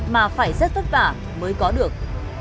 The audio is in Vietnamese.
mà phải rất vất vả mới có được